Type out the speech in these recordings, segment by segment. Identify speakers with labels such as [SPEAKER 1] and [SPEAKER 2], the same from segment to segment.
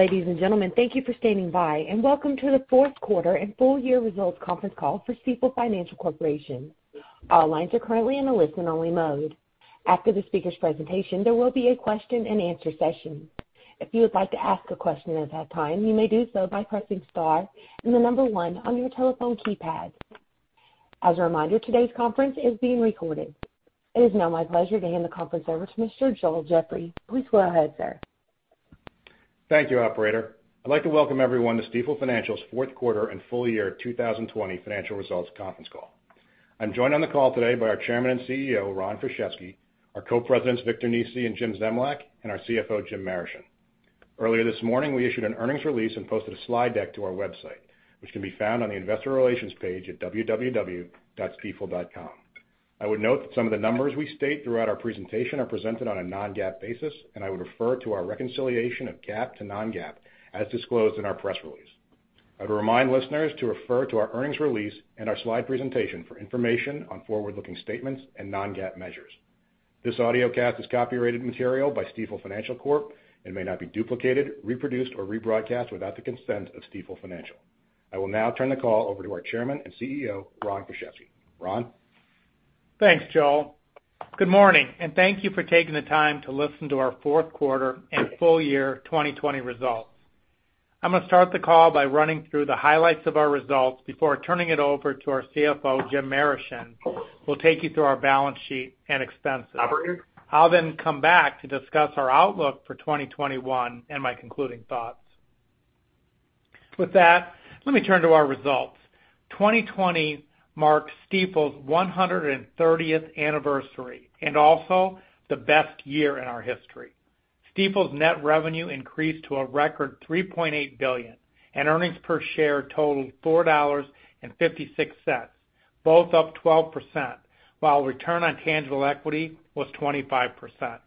[SPEAKER 1] Ladies and gentlemen, thank you for standing by, and welcome to the fourth quarter and full-year results conference call for Stifel Financial Corporation. All lines are currently in a listen-only mode. After the speaker's presentation, there will be a question-and-answer session. If you would like to ask a question at that time, you may do so by pressing star and the number one on your telephone keypad. As a reminder, today's conference is being recorded. It is now my pleasure to hand the conference over to Mr. Joel Jeffrey. Please go ahead, sir.
[SPEAKER 2] Thank you, Operator. I'd like to welcome everyone to Stifel Financial's fourth quarter and full-year 2020 financial results conference call. I'm joined on the call today by our Chairman and CEO, Ron Kruszewski; our co-presidents, Victor Nesi and Jim Zemlyak; and our CFO, Jim Marischen. Earlier this morning, we issued an earnings release and posted a slide deck to our website, which can be found on the investor relations page at www.stifel.com. I would note that some of the numbers we state throughout our presentation are presented on a non-GAAP basis, and I would refer to our reconciliation of GAAP to non-GAAP as disclosed in our press release. I would remind listeners to refer to our earnings release and our slide presentation for information on forward-looking statements and non-GAAP measures. This audio cast is copyrighted material by Stifel Financial Corp and may not be duplicated, reproduced, or rebroadcast without the consent of Stifel Financial. I will now turn the call over to our Chairman and CEO, Ron Kruszewski. Ron?
[SPEAKER 3] Thanks, Joel. Good morning, and thank you for taking the time to listen to our fourth quarter and full-year 2020 results. I'm going to start the call by running through the highlights of our results before turning it over to our CFO, Jim Marischen. We'll take you through our balance sheet and expenses. I'll then come back to discuss our outlook for 2021 and my concluding thoughts. With that, let me turn to our results. 2020 marks Stifel's 130th anniversary and also the best year in our history. Stifel's net revenue increased to a record $3.8 billion, and earnings per share totaled $4.56, both up 12%, while return on tangible equity was 25%.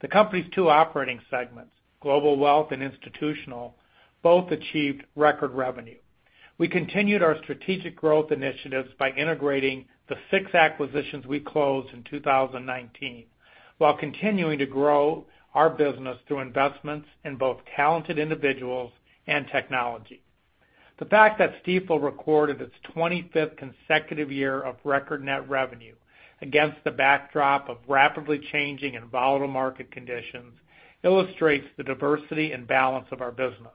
[SPEAKER 3] The company's two operating segments, Global Wealth and institutional, both achieved record revenue. We continued our strategic growth initiatives by integrating the six acquisitions we closed in 2019, while continuing to grow our business through investments in both talented individuals and technology. The fact that Stifel recorded its 25th consecutive year of record net revenue against the backdrop of rapidly changing and volatile market conditions illustrates the diversity and balance of our business.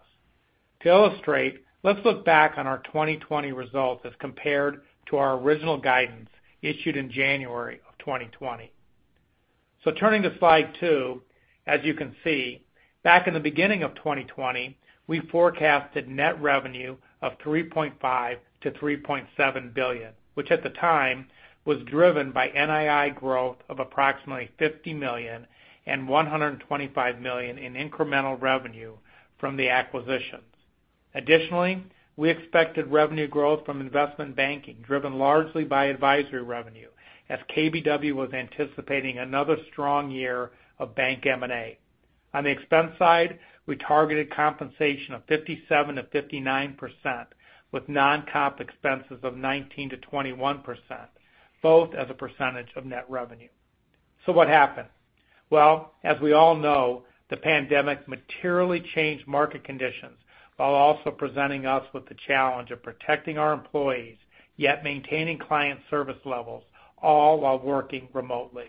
[SPEAKER 3] To illustrate, let's look back on our 2020 results as compared to our original guidance issued in January of 2020. So turning to slide two, as you can see, back in the beginning of 2020, we forecasted net revenue of $3.5 billion-$3.7 billion, which at the time was driven by NII growth of approximately $50 million and $125 million in incremental revenue from the acquisitions. Additionally, we expected revenue growth from investment banking driven largely by advisory revenue, as KBW was anticipating another strong year of bank M&A. On the expense side, we targeted compensation of 57%-59%, with non-comp expenses of 19%-21%, both as a percentage of net revenue. So what happened? Well, as we all know, the pandemic materially changed market conditions while also presenting us with the challenge of protecting our employees yet maintaining client service levels, all while working remotely.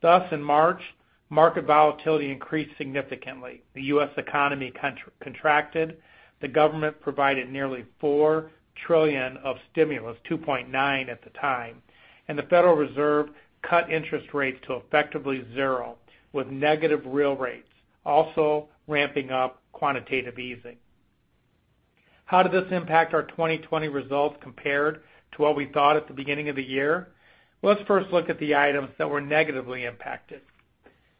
[SPEAKER 3] Thus, in March, market volatility increased significantly. The U.S. economy contracted. The government provided nearly $4 trillion of stimulus, $2.9 trillion at the time, and the Federal Reserve cut interest rates to effectively zero, with negative real rates also ramping up quantitative easing. How did this impact our 2020 results compared to what we thought at the beginning of the year? Let's first look at the items that were negatively impacted.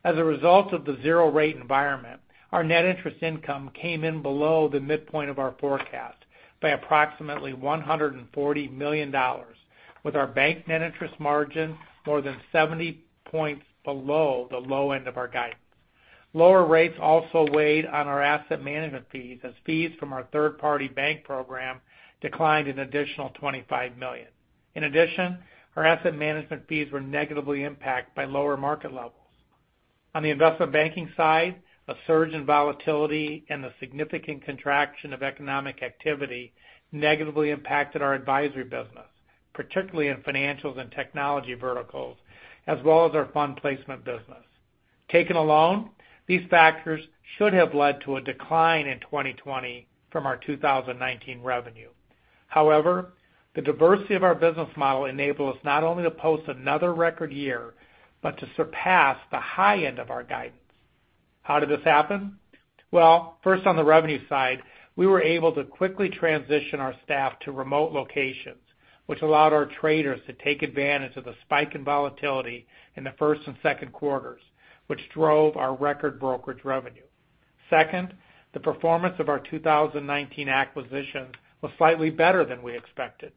[SPEAKER 3] As a result of the zero-rate environment, our net interest income came in below the midpoint of our forecast by approximately $140 million, with our bank net interest margin more than 70 points below the low end of our guidance. Lower rates also weighed on our asset management fees as fees from our third-party bank program declined an additional $25 million. In addition, our asset management fees were negatively impacted by lower market levels. On the investment banking side, a surge in volatility and the significant contraction of economic activity negatively impacted our advisory business, particularly in financials and technology verticals, as well as our fund placement business. Taken alone, these factors should have led to a decline in 2020 from our 2019 revenue. However, the diversity of our business model enabled us not only to post another record year but to surpass the high end of our guidance. How did this happen? First, on the revenue side, we were able to quickly transition our staff to remote locations, which allowed our traders to take advantage of the spike in volatility in the first and second quarters, which drove our record brokerage revenue. Second, the performance of our 2019 acquisitions was slightly better than we expected.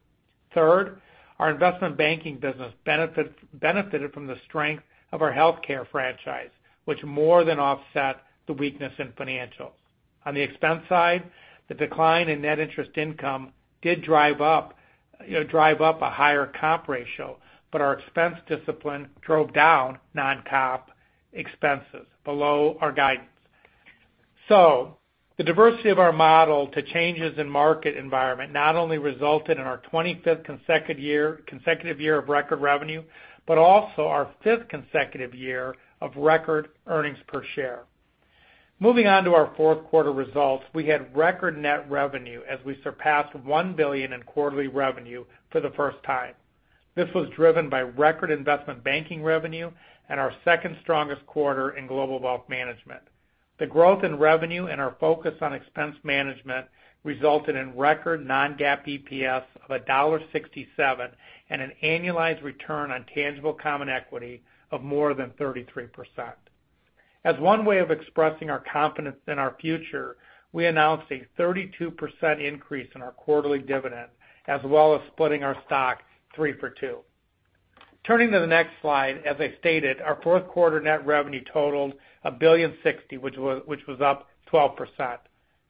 [SPEAKER 3] Third, our investment banking business benefited from the strength of our healthcare franchise, which more than offset the weakness in financials. On the expense side, the decline in net interest income did drive up a higher comp ratio, but our expense discipline drove down non-comp expenses below our guidance. The diversity of our model to changes in market environment not only resulted in our 25th consecutive year of record revenue but also our fifth consecutive year of record earnings per share. Moving on to our fourth quarter results, we had record net revenue as we surpassed $1 billion in quarterly revenue for the first time. This was driven by record investment banking revenue and our second-strongest quarter in Global Wealth Management. The growth in revenue and our focus on expense management resulted in record non-GAAP EPS of $1.67 and an annualized return on tangible common equity of more than 33%. As one way of expressing our confidence in our future, we announced a 32% increase in our quarterly dividend, as well as splitting our stock three for two. Turning to the next slide, as I stated, our fourth quarter net revenue totaled $1.60, which was up 12%.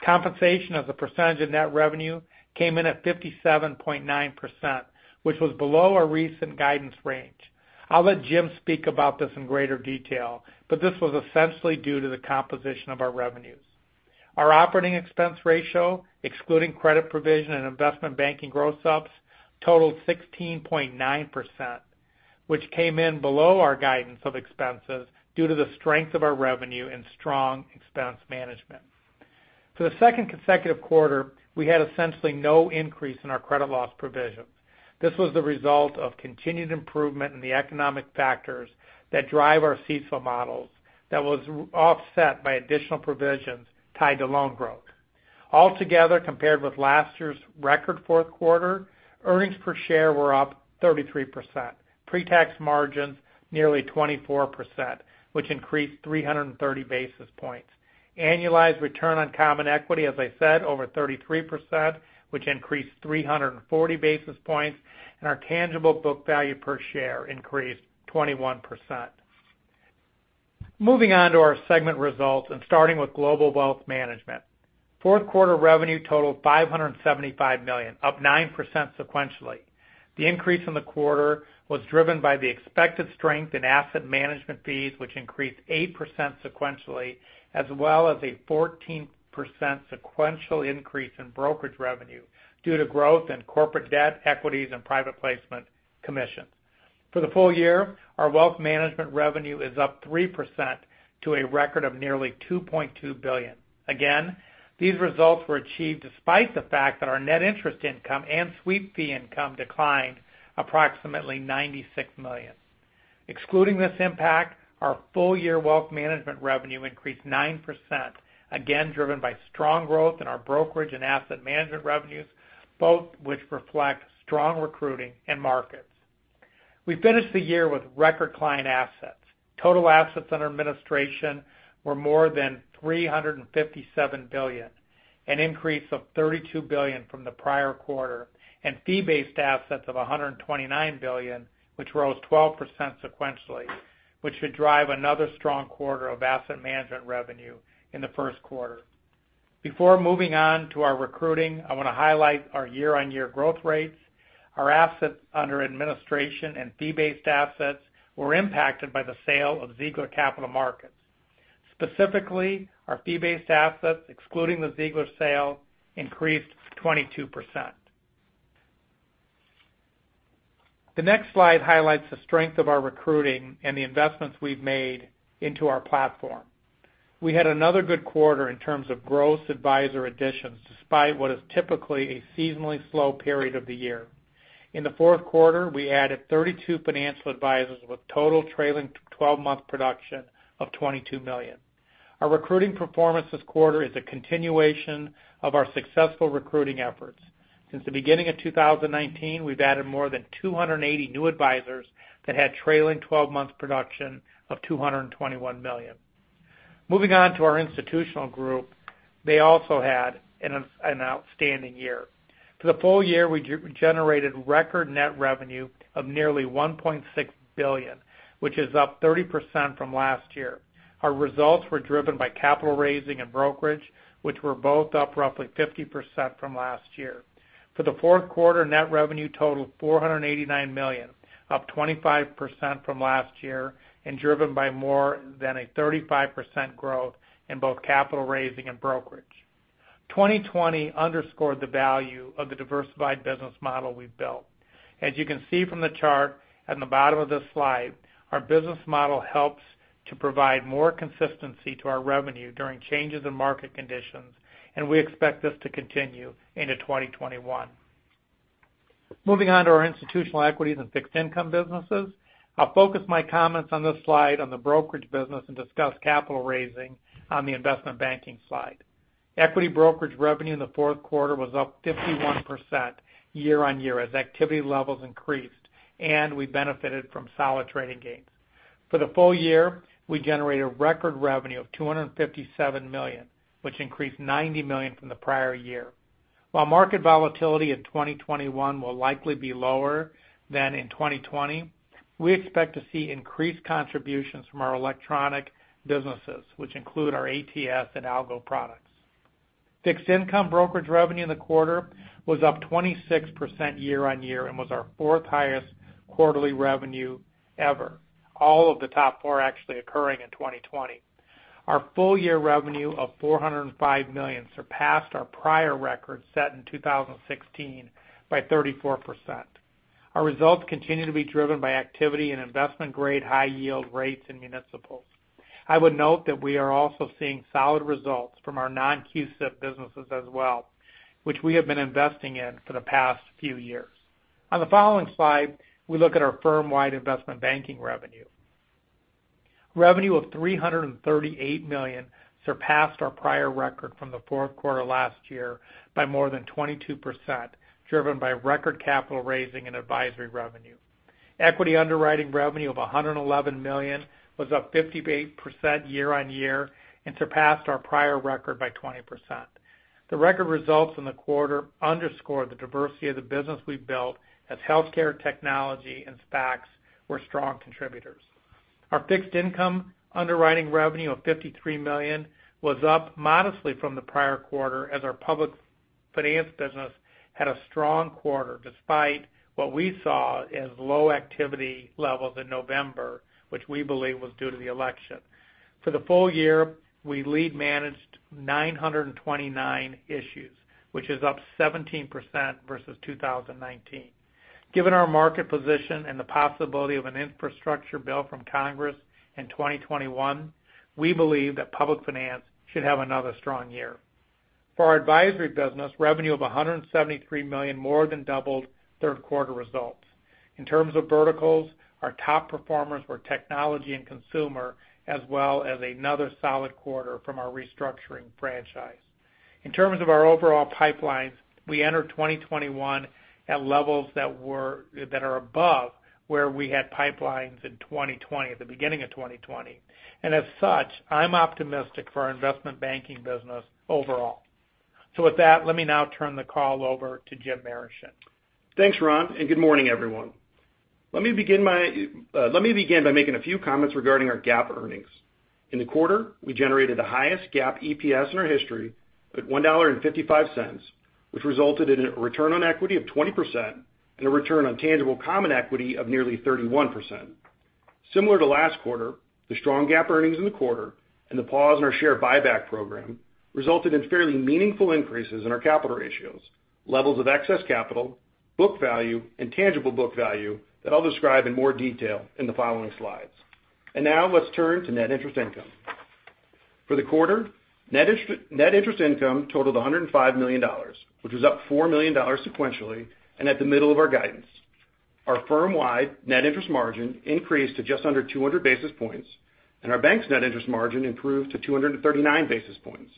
[SPEAKER 3] Compensation as a percentage of net revenue came in at 57.9%, which was below our recent guidance range. I'll let Jim speak about this in greater detail, but this was essentially due to the composition of our revenues. Our operating expense ratio, excluding credit provision and investment banking gross-ups, totaled 16.9%, which came in below our guidance of expenses due to the strength of our revenue and strong expense management. For the second consecutive quarter, we had essentially no increase in our credit loss provisions. This was the result of continued improvement in the economic factors that drive our Stifel models that was offset by additional provisions tied to loan growth. Altogether, compared with last year's record fourth quarter, earnings per share were up 33%, pre-tax margins nearly 24%, which increased 330 basis points, annualized return on common equity, as I said, over 33%, which increased 340 basis points, and our tangible book value per share increased 21%. Moving on to our segment results and starting with Global Wealth Management. Fourth quarter revenue totaled $575 million, up 9% sequentially. The increase in the quarter was driven by the expected strength in asset management fees, which increased 8% sequentially, as well as a 14% sequential increase in brokerage revenue due to growth in corporate debt, equities, and private placement commissions. For the full year, our wealth management revenue is up 3% to a record of nearly $2.2 billion. Again, these results were achieved despite the fact that our net interest income and Sweep fee income declined approximately $96 million. Excluding this impact, our full-year wealth management revenue increased 9%, again driven by strong growth in our brokerage and asset management revenues, both which reflect strong recruiting and markets. We finished the year with record client assets. Total assets under administration were more than $357 billion, an increase of $32 billion from the prior quarter, and fee-based assets of $129 billion, which rose 12% sequentially, which should drive another strong quarter of asset management revenue in the first quarter. Before moving on to our recruiting, I want to highlight our year-on-year growth rates. Our assets under administration and fee-based assets were impacted by the sale of Ziegler Capital Markets. Specifically, our fee-based assets, excluding the Ziegler sale, increased 22%. The next slide highlights the strength of our recruiting and the investments we've made into our platform. We had another good quarter in terms of gross advisor additions, despite what is typically a seasonally slow period of the year. In the fourth quarter, we added 32 financial advisors with total trailing 12-month production of $22 million. Our recruiting performance this quarter is a continuation of our successful recruiting efforts. Since the beginning of 2019, we've added more than 280 new advisors that had trailing 12-month production of $221 million. Moving on to our Institutional Group, they also had an outstanding year. For the full year, we generated record net revenue of nearly $1.6 billion, which is up 30% from last year. Our results were driven by capital raising and brokerage, which were both up roughly 50% from last year. For the fourth quarter, net revenue totaled $489 million, up 25% from last year and driven by more than a 35% growth in both capital raising and brokerage. 2020 underscored the value of the diversified business model we've built. As you can see from the chart at the bottom of this slide, our business model helps to provide more consistency to our revenue during changes in market conditions, and we expect this to continue into 2021. Moving on to our institutional equities and fixed income businesses, I'll focus my comments on this slide on the brokerage business and discuss capital raising on the investment banking slide. Equity brokerage revenue in the fourth quarter was up 51% year-on-year as activity levels increased, and we benefited from solid trading gains. For the full year, we generated record revenue of $257 million, which increased $90 million from the prior year. While market volatility in 2021 will likely be lower than in 2020, we expect to see increased contributions from our electronic businesses, which include our ATS and algo products. Fixed income brokerage revenue in the quarter was up 26% year-on-year and was our fourth highest quarterly revenue ever, all of the top four actually occurring in 2020. Our full-year revenue of $405 million surpassed our prior record set in 2016 by 34%. Our results continue to be driven by activity and investment-grade high-yield rates and municipal. I would note that we are also seeing solid results from our non-CUSIP businesses as well, which we have been investing in for the past few years. On the following slide, we look at our firm-wide investment banking revenue. Revenue of $338 million surpassed our prior record from the fourth quarter last year by more than 22%, driven by record capital raising and advisory revenue. Equity underwriting revenue of $111 million was up 58% year-on-year and surpassed our prior record by 20%. The record results in the quarter underscored the diversity of the business we've built as healthcare technology and SPACs were strong contributors. Our fixed income underwriting revenue of $53 million was up modestly from the prior quarter as our public finance business had a strong quarter despite what we saw as low activity levels in November, which we believe was due to the election. For the full year, we lead-managed 929 issues, which is up 17% versus 2019. Given our market position and the possibility of an infrastructure bill from Congress in 2021, we believe that public finance should have another strong year. For our advisory business, revenue of $173 million more than doubled third-quarter results. In terms of verticals, our top performers were technology and consumer, as well as another solid quarter from our restructuring franchise. In terms of our overall pipelines, we entered 2021 at levels that are above where we had pipelines in 2020, at the beginning of 2020. And as such, I'm optimistic for our investment banking business overall. So with that, let me now turn the call over to Jim Marischen.
[SPEAKER 4] Thanks, Ron, and good morning, everyone. Let me begin by making a few comments regarding our GAAP earnings. In the quarter, we generated the highest GAAP EPS in our history at $1.55, which resulted in a return on equity of 20% and a return on tangible common equity of nearly 31%. Similar to last quarter, the strong GAAP earnings in the quarter and the pause in our share buyback program resulted in fairly meaningful increases in our capital ratios, levels of excess capital, book value, and tangible book value that I'll describe in more detail in the following slides. Now let's turn to net interest income. For the quarter, net interest income totaled $105 million, which was up $4 million sequentially and at the middle of our guidance. Our firm-wide net interest margin increased to just under 200 basis points, and our bank's net interest margin improved to 239 basis points.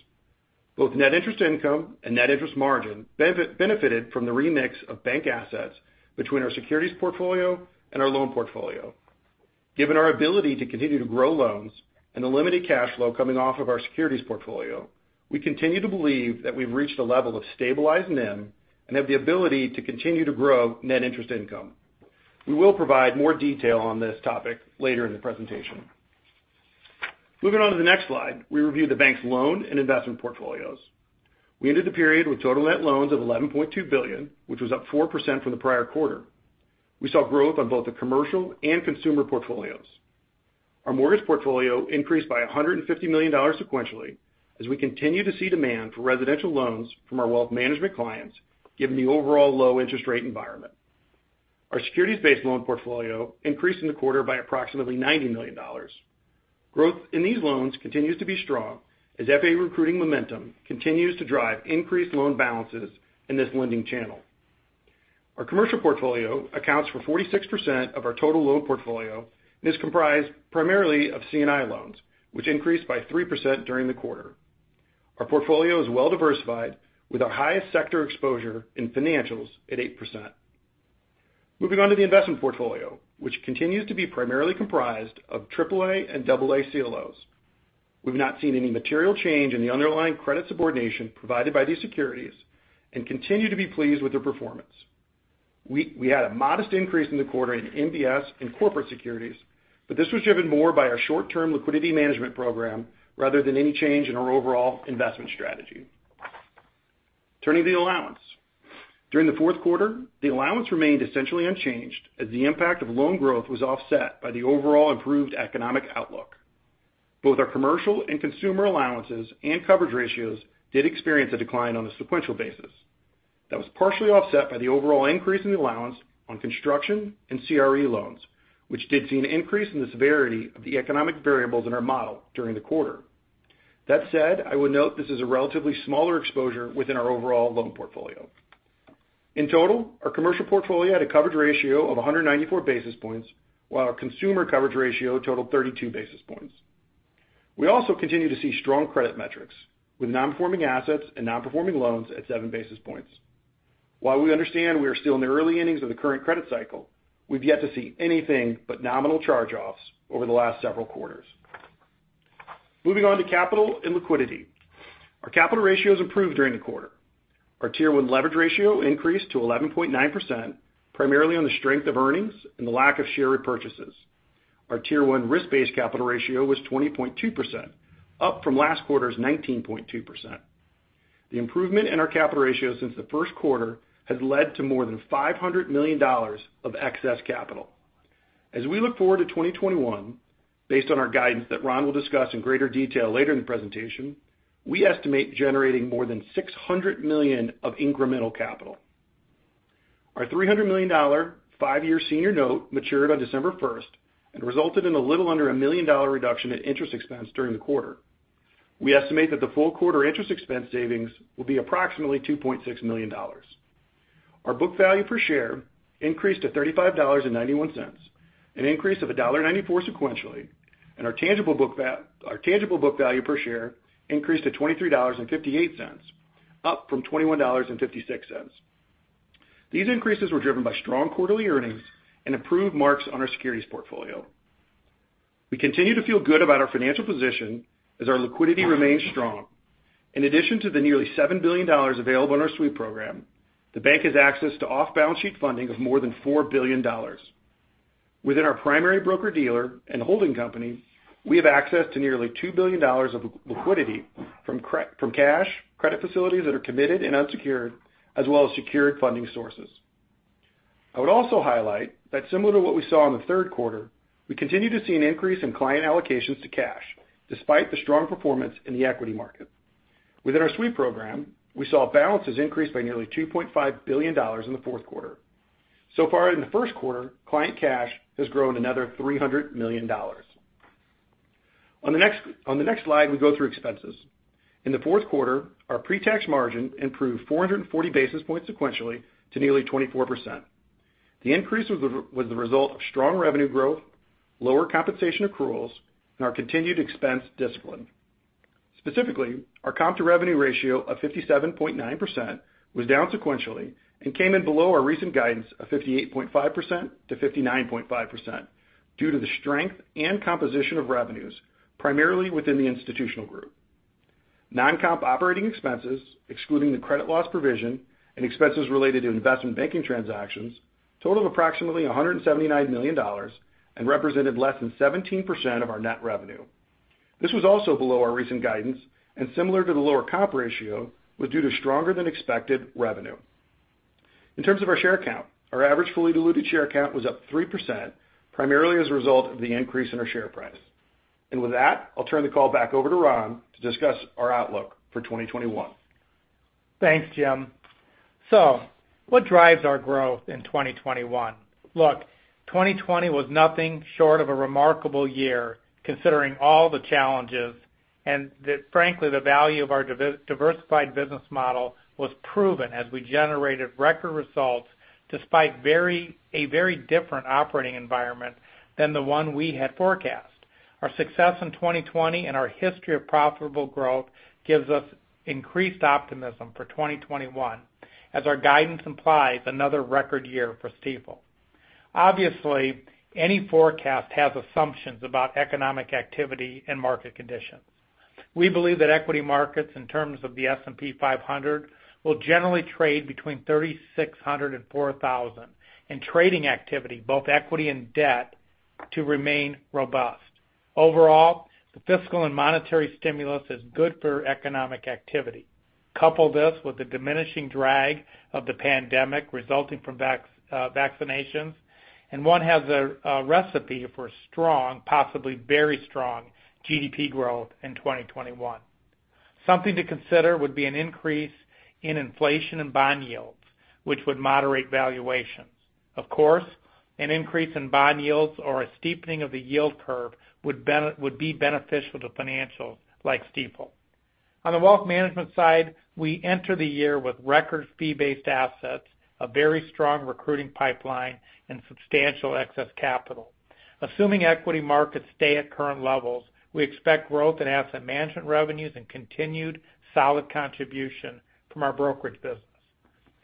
[SPEAKER 4] Both net interest income and net interest margin benefited from the remix of bank assets between our securities portfolio and our loan portfolio. Given our ability to continue to grow loans and the limited cash flow coming off of our securities portfolio, we continue to believe that we've reached a level of stabilized NIM and have the ability to continue to grow net interest income. We will provide more detail on this topic later in the presentation. Moving on to the next slide, we reviewed the bank's loan and investment portfolios. We ended the period with total net loans of $11.2 billion, which was up 4% from the prior quarter. We saw growth on both the commercial and consumer portfolios. Our mortgage portfolio increased by $150 million sequentially as we continue to see demand for residential loans from our wealth management clients, given the overall low interest rate environment. Our securities-based loan portfolio increased in the quarter by approximately $90 million. Growth in these loans continues to be strong as FA recruiting momentum continues to drive increased loan balances in this lending channel. Our commercial portfolio accounts for 46% of our total loan portfolio and is comprised primarily of C&I loans, which increased by 3% during the quarter. Our portfolio is well-diversified with our highest sector exposure in financials at 8%. Moving on to the investment portfolio, which continues to be primarily comprised of AAA and AA CLOs. We've not seen any material change in the underlying credit subordination provided by these securities and continue to be pleased with their performance. We had a modest increase in the quarter in MBS and corporate securities, but this was driven more by our short-term liquidity management program rather than any change in our overall investment strategy. Turning to the allowance. During the fourth quarter, the allowance remained essentially unchanged as the impact of loan growth was offset by the overall improved economic outlook. Both our commercial and consumer allowances and coverage ratios did experience a decline on a sequential basis. That was partially offset by the overall increase in the allowance on construction and CRE loans, which did see an increase in the severity of the economic variables in our model during the quarter. That said, I would note this is a relatively smaller exposure within our overall loan portfolio. In total, our commercial portfolio had a coverage ratio of 194 basis points, while our consumer coverage ratio totaled 32 basis points. We also continue to see strong credit metrics, with non-performing assets and non-performing loans at 7 basis points. While we understand we are still in the early innings of the current credit cycle, we've yet to see anything but nominal charge-offs over the last several quarters. Moving on to capital and liquidity. Our capital ratios improved during the quarter. Our Tier 1 Leverage Ratio increased to 11.9%, primarily on the strength of earnings and the lack of share repurchases. Our Tier 1 risk-based capital ratio was 20.2%, up from last quarter's 19.2%. The improvement in our capital ratio since the first quarter has led to more than $500 million of excess capital. As we look forward to 2021, based on our guidance that Ron will discuss in greater detail later in the presentation, we estimate generating more than $600 million of incremental capital. Our $300 million five-year senior note matured on December 1st and resulted in a little under a million-dollar reduction in interest expense during the quarter. We estimate that the full quarter interest expense savings will be approximately $2.6 million. Our book value per share increased to $35.91, an increase of $1.94 sequentially, and our tangible book value per share increased to $23.58, up from $21.56. These increases were driven by strong quarterly earnings and improved marks on our securities portfolio. We continue to feel good about our financial position as our liquidity remains strong. In addition to the nearly $7 billion available in our Sweep program, the bank has access to off-balance sheet funding of more than $4 billion. Within our primary broker-dealer and holding company, we have access to nearly $2 billion of liquidity from cash, credit facilities that are committed and unsecured, as well as secured funding sources. I would also highlight that similar to what we saw in the third quarter, we continue to see an increase in client allocations to cash, despite the strong performance in the equity market. Within our Sweep program, we saw balances increase by nearly $2.5 billion in the fourth quarter. So far, in the first quarter, client cash has grown another $300 million. On the next slide, we go through expenses. In the fourth quarter, our pre-tax margin improved 440 basis points sequentially to nearly 24%. The increase was the result of strong revenue growth, lower compensation accruals, and our continued expense discipline. Specifically, our comp to revenue ratio of 57.9% was down sequentially and came in below our recent guidance of 58.5% to 59.5% due to the strength and composition of revenues, primarily within the Institutional Group. Non-comp operating expenses, excluding the credit loss provision and expenses related to investment banking transactions, totaled approximately $179 million and represented less than 17% of our net revenue. This was also below our recent guidance, and similar to the lower comp ratio, was due to stronger-than-expected revenue. In terms of our share count, our average fully diluted share count was up 3%, primarily as a result of the increase in our share price. And with that, I'll turn the call back over to Ron to discuss our outlook for 2021.
[SPEAKER 3] Thanks, Jim. So what drives our growth in 2021? Look, 2020 was nothing short of a remarkable year, considering all the challenges and that, frankly, the value of our diversified business model was proven as we generated record results despite a very different operating environment than the one we had forecast. Our success in 2020 and our history of profitable growth gives us increased optimism for 2021. As our guidance implies, another record year for Stifel. Obviously, any forecast has assumptions about economic activity and market conditions. We believe that equity markets, in terms of the S&P 500, will generally trade between 3,600-4,000, and trading activity, both equity and debt, to remain robust. Overall, the fiscal and monetary stimulus is good for economic activity. Couple this with the diminishing drag of the pandemic resulting from vaccinations, and one has a recipe for strong, possibly very strong, GDP growth in 2021. Something to consider would be an increase in inflation and bond yields, which would moderate valuations. Of course, an increase in bond yields or a steepening of the yield curve would be beneficial to financials like Stifel. On the wealth management side, we enter the year with record fee-based assets, a very strong recruiting pipeline, and substantial excess capital. Assuming equity markets stay at current levels, we expect growth in asset management revenues and continued solid contribution from our brokerage business.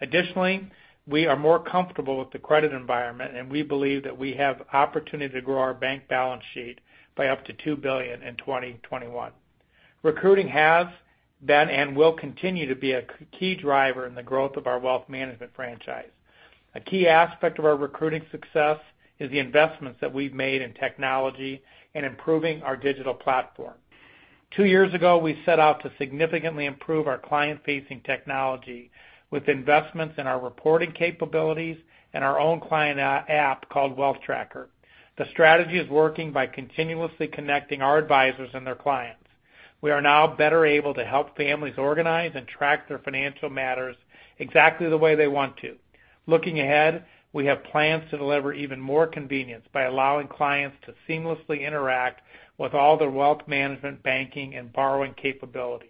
[SPEAKER 3] Additionally, we are more comfortable with the credit environment, and we believe that we have the opportunity to grow our bank balance sheet by up to $2 billion in 2021. Recruiting has been and will continue to be a key driver in the growth of our wealth management franchise. A key aspect of our recruiting success is the investments that we've made in technology and improving our digital platform. Two years ago, we set out to significantly improve our client-facing technology with investments in our reporting capabilities and our own client app called Wealth Tracker. The strategy is working by continuously connecting our advisors and their clients. We are now better able to help families organize and track their financial matters exactly the way they want to. Looking ahead, we have plans to deliver even more convenience by allowing clients to seamlessly interact with all their wealth management, banking, and borrowing capabilities.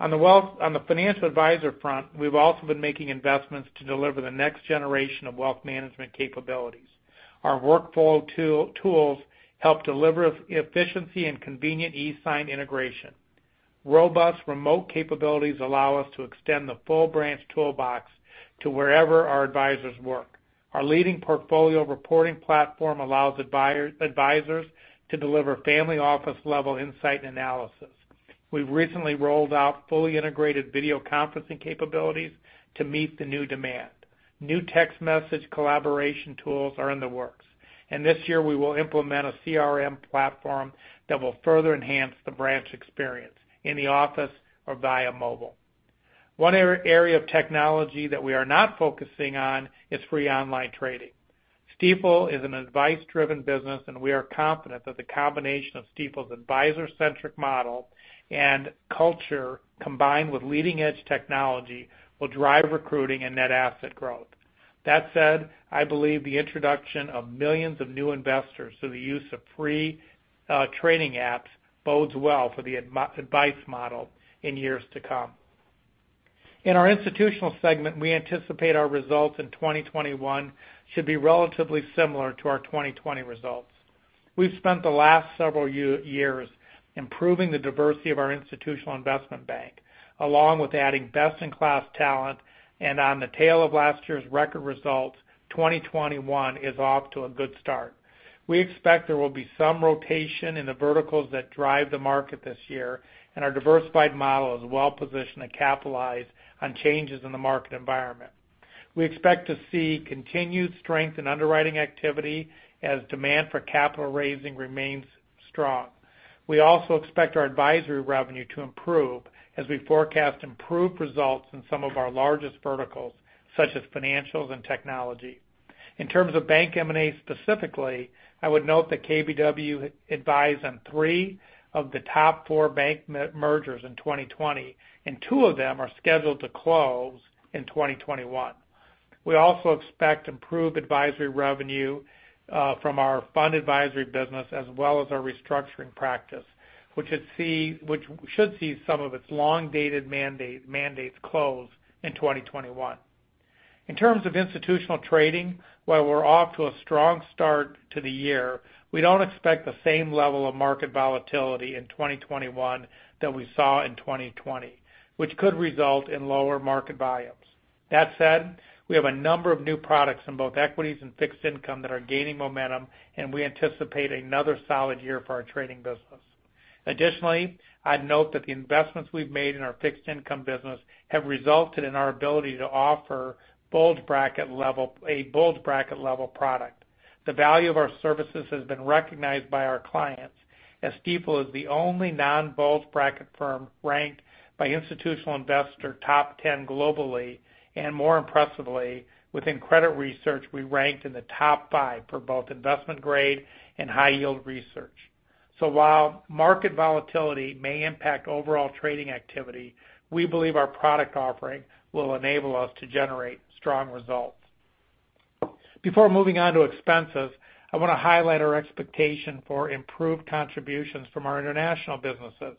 [SPEAKER 3] On the financial advisor front, we've also been making investments to deliver the next generation of wealth management capabilities. Our workflow tools help deliver efficiency and convenient e-sign integration. Robust remote capabilities allow us to extend the full branch toolbox to wherever our advisors work. Our leading portfolio reporting platform allows advisors to deliver family office-level insight and analysis. We've recently rolled out fully integrated video conferencing capabilities to meet the new demand. New text message collaboration tools are in the works. And this year, we will implement a CRM platform that will further enhance the branch experience in the office or via mobile. One area of technology that we are not focusing on is free online trading. Stifel is an advice-driven business, and we are confident that the combination of Stifel's advisor-centric model and culture, combined with leading-edge technology, will drive recruiting and net asset growth. That said, I believe the introduction of millions of new investors to the use of free trading apps bodes well for the advice model in years to come. In our institutional segment, we anticipate our results in 2021 should be relatively similar to our 2020 results. We've spent the last several years improving the diversity of our institutional investment bank, along with adding best-in-class talent, and on the tail of last year's record results, 2021 is off to a good start. We expect there will be some rotation in the verticals that drive the market this year, and our diversified model is well-positioned to capitalize on changes in the market environment. We expect to see continued strength in underwriting activity as demand for capital raising remains strong. We also expect our advisory revenue to improve as we forecast improved results in some of our largest verticals, such as financials and technology. In terms of Bank M&A specifically, I would note that KBW advised on three of the top four bank mergers in 2020, and two of them are scheduled to close in 2021. We also expect improved advisory revenue from our fund advisory business, as well as our restructuring practice, which should see some of its long-dated mandates close in 2021. In terms of institutional trading, while we're off to a strong start to the year, we don't expect the same level of market volatility in 2021 that we saw in 2020, which could result in lower market volumes. That said, we have a number of new products in both equities and fixed income that are gaining momentum, and we anticipate another solid year for our trading business. Additionally, I'd note that the investments we've made in our fixed income business have resulted in our ability to offer a bulge bracket level product. The value of our services has been recognized by our clients, as Stifel is the only non-bulge bracket firm ranked by Institutional Investor top 10 globally, and more impressively, within credit research, we ranked in the top five for both investment grade and high-yield research, so while market volatility may impact overall trading activity, we believe our product offering will enable us to generate strong results. Before moving on to expenses, I want to highlight our expectation for improved contributions from our international businesses.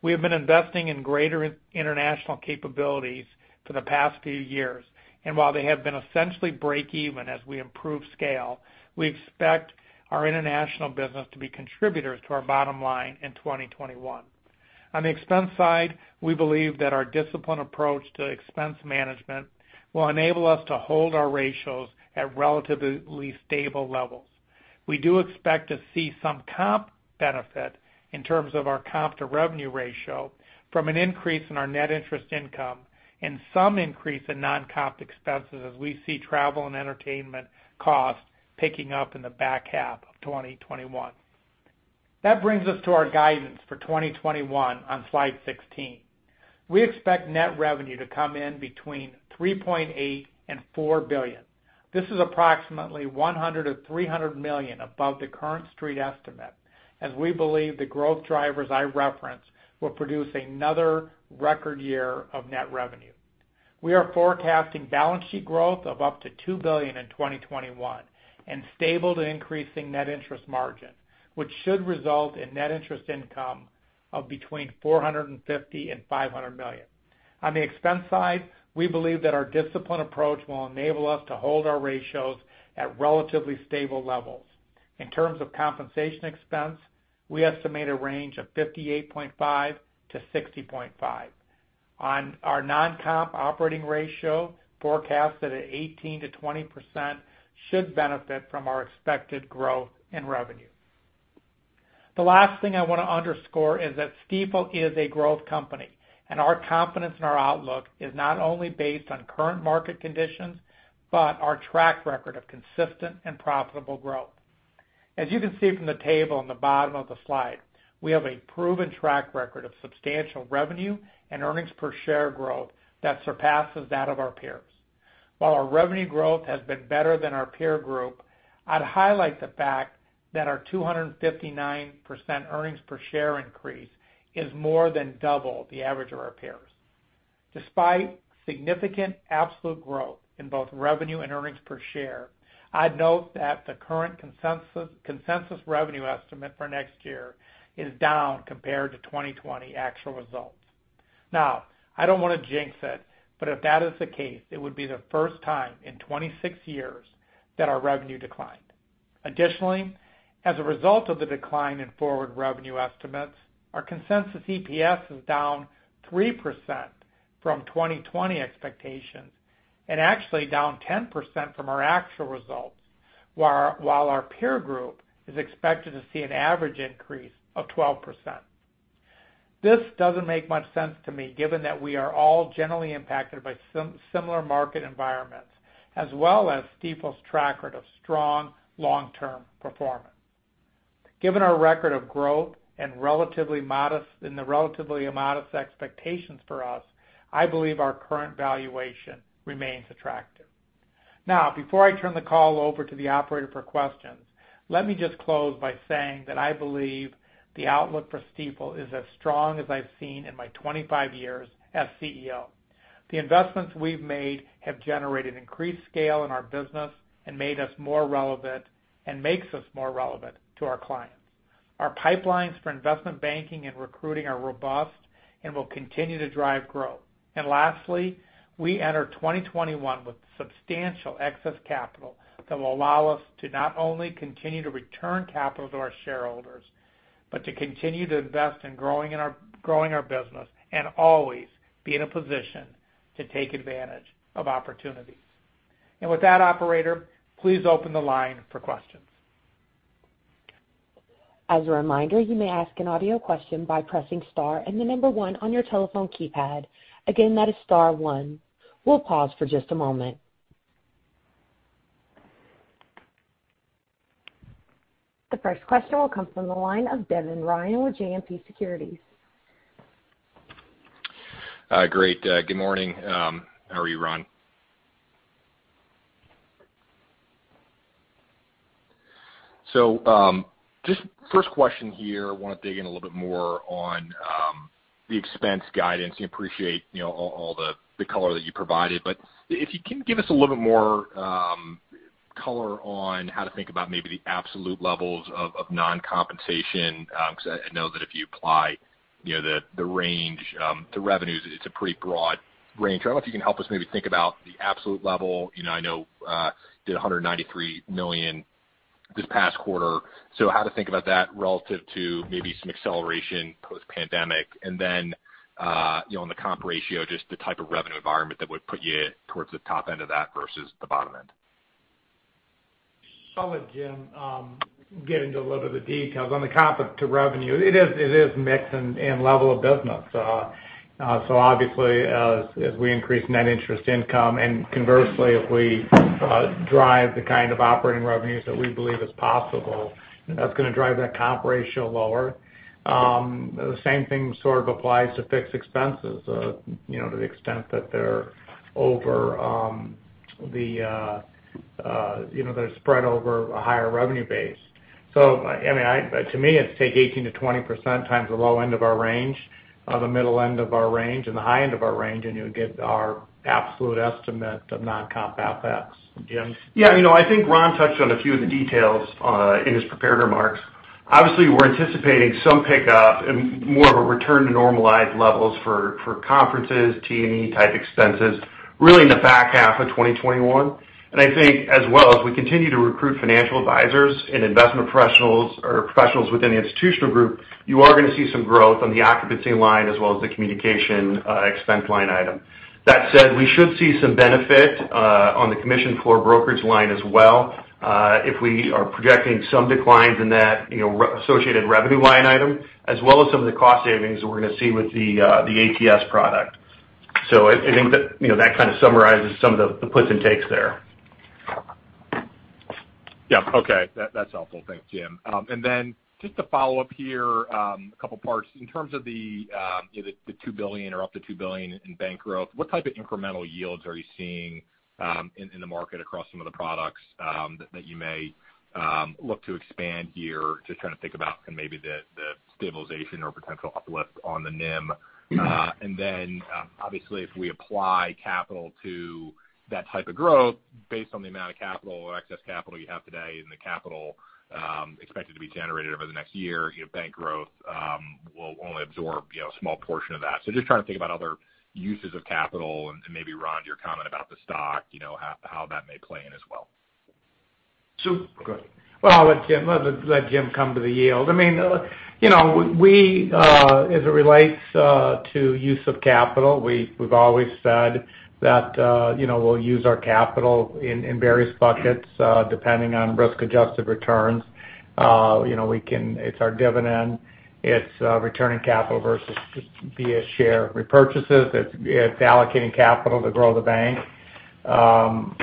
[SPEAKER 3] We have been investing in greater international capabilities for the past few years. And while they have been essentially break-even as we improve scale, we expect our international business to be contributors to our bottom line in 2021. On the expense side, we believe that our disciplined approach to expense management will enable us to hold our ratios at relatively stable levels. We do expect to see some comp benefit in terms of our comp to revenue ratio from an increase in our net interest income and some increase in non-comp expenses as we see travel and entertainment costs picking up in the back half of 2021. That brings us to our guidance for 2021 on slide 16. We expect net revenue to come in between $3.8 billion-$4 billion. This is approximately $100 million-$300 million above the current street estimate, as we believe the growth drivers I referenced will produce another record year of net revenue. We are forecasting balance sheet growth of up to $2 billion in 2021 and stable to increasing net interest margin, which should result in net interest income of between $450 million-$500 million. On the expense side, we believe that our disciplined approach will enable us to hold our ratios at relatively stable levels. In terms of compensation expense, we estimate a range of $58.5-$60.5. On our non-comp operating ratio, forecasted at 18%-20%, should benefit from our expected growth in revenue. The last thing I want to underscore is that Stifel is a growth company, and our confidence in our outlook is not only based on current market conditions, but our track record of consistent and profitable growth. As you can see from the table on the bottom of the slide, we have a proven track record of substantial revenue and earnings per share growth that surpasses that of our peers. While our revenue growth has been better than our peer group, I'd highlight the fact that our 259% earnings per share increase is more than double the average of our peers. Despite significant absolute growth in both revenue and earnings per share, I'd note that the current consensus revenue estimate for next year is down compared to 2020 actual results. Now, I don't want to jinx it, but if that is the case, it would be the first time in 26 years that our revenue declined. Additionally, as a result of the decline in forward revenue estimates, our consensus EPS is down 3% from 2020 expectations and actually down 10% from our actual results, while our peer group is expected to see an average increase of 12%. This doesn't make much sense to me, given that we are all generally impacted by similar market environments, as well as Stifel's track record of strong long-term performance. Given our record of growth and relatively modest expectations for us, I believe our current valuation remains attractive. Now, before I turn the call over to the operator for questions, let me just close by saying that I believe the outlook for Stifel is as strong as I've seen in my 25 years as CEO. The investments we've made have generated increased scale in our business and made us more relevant and makes us more relevant to our clients. Our pipelines for investment banking and recruiting are robust and will continue to drive growth. Lastly, we enter 2021 with substantial excess capital that will allow us to not only continue to return capital to our shareholders, but to continue to invest in growing our business and always be in a position to take advantage of opportunities. With that, operator, please open the line for questions.
[SPEAKER 1] As a reminder, you may ask an audio question by pressing star and the number one on your telephone keypad. Again, that is star one. We'll pause for just a moment. The first question will come from the line of Devin Ryan with JMP Securities.
[SPEAKER 5] Great. Good morning. How are you, Ron? So just first question here, I want to dig in a little bit more on the expense guidance. I appreciate all the color that you provided. But if you can give us a little bit more color on how to think about maybe the absolute levels of non-compensation, because I know that if you apply the range to revenues, it's a pretty broad range. I don't know if you can help us maybe think about the absolute level. I know you did $193 million this past quarter. So how to think about that relative to maybe some acceleration post-pandemic? And then on the comp ratio, just the type of revenue environment that would put you towards the top end of that versus the bottom end?
[SPEAKER 3] Solid, Jim. Getting to a little bit of the details on the comp to revenue, it is mixed in level of business. So obviously, as we increase net interest income and conversely, if we drive the kind of operating revenues that we believe is possible, that's going to drive that comp ratio lower. The same thing sort of applies to fixed expenses to the extent that they're spread over a higher revenue base. So I mean, to me, it's take 18%-20% times the low end of our range, the middle end of our range, and the high end of our range, and you would get our absolute estimate of non-comp effects. Jim?
[SPEAKER 4] Yeah. I think Ron touched on a few of the details in his prepared remarks. Obviously, we're anticipating some pickup and more of a return to normalized levels for conferences, T&E type expenses, really in the back half of 2021, and I think as well as we continue to recruit financial advisors and investment professionals or professionals within the Institutional Group, you are going to see some growth on the occupancy line as well as the communication expense line item. That said, we should see some benefit on the commission floor brokerage line as well if we are projecting some declines in that associated revenue line item as well as some of the cost savings that we're going to see with the ATS product, so I think that kind of summarizes some of the puts and takes there.
[SPEAKER 5] Yeah. Okay. That's helpful. Thanks, Jim. And then just to follow up here, a couple of parts. In terms of the $2 billion or up to $2 billion in bank growth, what type of incremental yields are you seeing in the market across some of the products that you may look to expand here? Just trying to think about maybe the stabilization or potential uplift on the NIM. And then obviously, if we apply capital to that type of growth, based on the amount of capital or excess capital you have today and the capital expected to be generated over the next year, bank growth will only absorb a small portion of that. So just trying to think about other uses of capital and maybe, Ron, your comment about the stock, how that may play in as well.
[SPEAKER 3] So go ahead. Well, I'll let Jim come to the yield. I mean, as it relates to use of capital, we've always said that we'll use our capital in various buckets depending on risk-adjusted returns. It's our dividend. It's returning capital versus via share repurchases. It's allocating capital to grow the bank and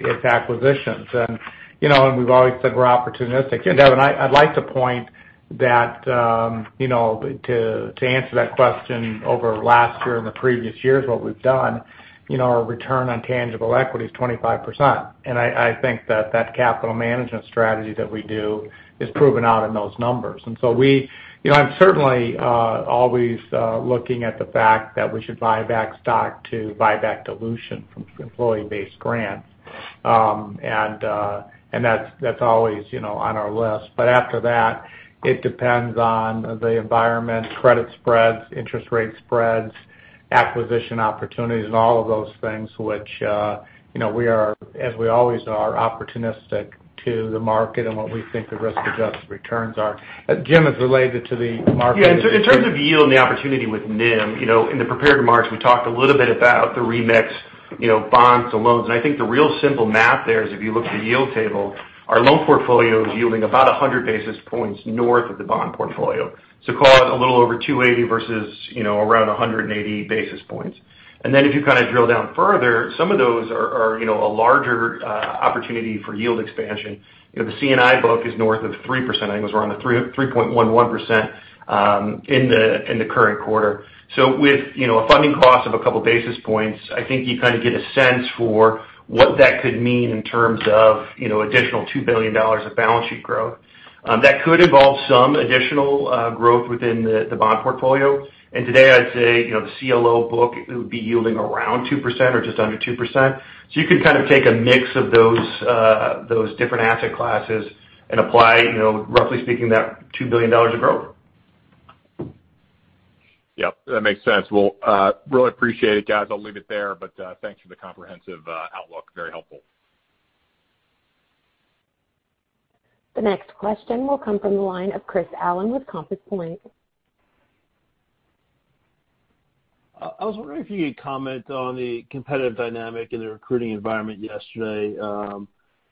[SPEAKER 3] its acquisitions. We've always said we're opportunistic. Devin, I'd like to point that to answer that question over last year and the previous years, what we've done, our return on tangible equity is 25%. I think that that capital management strategy that we do is proven out in those numbers. I'm certainly always looking at the fact that we should buy back stock to buy back dilution from employee-based grants. That's always on our list. But after that, it depends on the environment, credit spreads, interest rate spreads, acquisition opportunities, and all of those things, which we are, as we always are, opportunistic to the market and what we think the risk-adjusted returns are. Jim is related to the market.
[SPEAKER 4] Yeah. In terms of yield and the opportunity with NIM, in the prepared remarks, we talked a little bit about the remix bonds to loans. And I think the real simple math there is if you look at the yield table, our loan portfolio is yielding about 100 basis points north of the bond portfolio. So call it a little over 280 versus around 180 basis points. And then if you kind of drill down further, some of those are a larger opportunity for yield expansion. The C&I book is north of 3%. I think it was around 3.11% in the current quarter. So with a funding cost of a couple of basis points, I think you kind of get a sense for what that could mean in terms of additional $2 billion of balance sheet growth. That could involve some additional growth within the bond portfolio. Today, I'd say the CLO book, it would be yielding around 2% or just under 2%. You can kind of take a mix of those different asset classes and apply, roughly speaking, that $2 billion of growth.
[SPEAKER 5] Yep. That makes sense. Well, really appreciate it, guys. I'll leave it there. But thanks for the comprehensive outlook. Very helpful.
[SPEAKER 1] The next question will come from the line of Chris Allen with Compass Point.
[SPEAKER 6] I was wondering if you could comment on the competitive dynamic in the recruiting environment yesterday.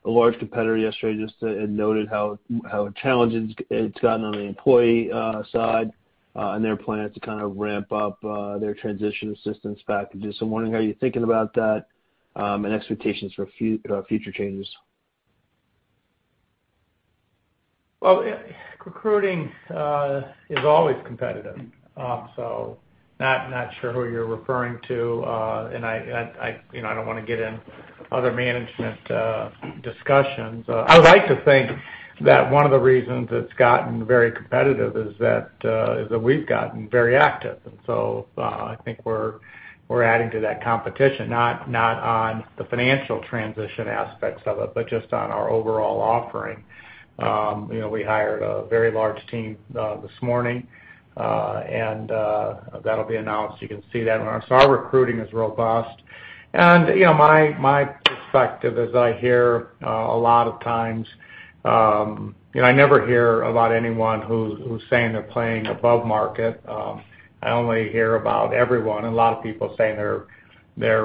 [SPEAKER 6] A large competitor yesterday just noted how challenging it's gotten on the employee side and their plans to kind of ramp up their transition assistance packages. So I'm wondering how you're thinking about that and expectations for future changes?
[SPEAKER 3] Recruiting is always competitive. So not sure who you're referring to. And I don't want to get in other management discussions. I would like to think that one of the reasons it's gotten very competitive is that we've gotten very active. And so I think we're adding to that competition, not on the financial transition aspects of it, but just on our overall offering. We hired a very large team this morning, and that'll be announced. You can see that. So our recruiting is robust. And my perspective is that I hear a lot of times I never hear about anyone who's saying they're paying above market. I only hear about everyone and a lot of people saying they're